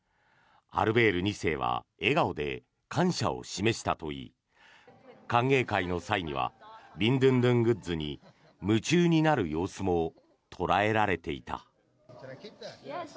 アルベール２世は笑顔で感謝を示したといい歓迎会の際にはビンドゥンドゥングッズに夢中になる様子も捉えられていた。